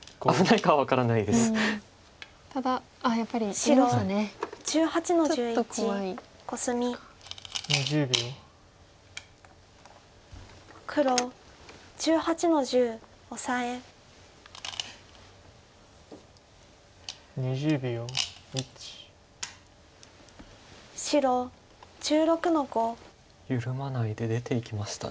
緩まないで出ていきました。